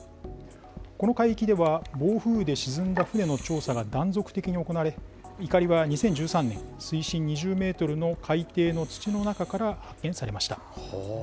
この海域では、暴風域で沈んだ船の調査が断続的に行われ、いかりは２０１３年、水深２０メートルの海底の土の中から発見されました。